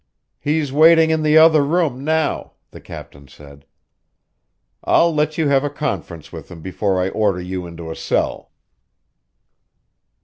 "He's waiting in the other room now," the captain said. "I'll let you have a conference with him before I order you into a cell!"